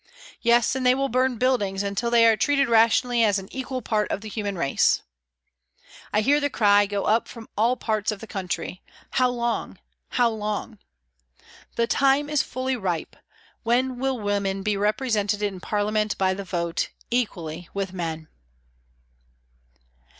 Yes, and they will burn buildings until they are treated rationally as an equal part of the human race. I hear the cry go up from all parts of the country, " How long ? How long ?" The time is fully ripe, when will women be represented in Parliament by the vote, equally with men